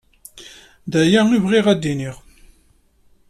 D aya ay bɣiɣ ad d-iniɣ.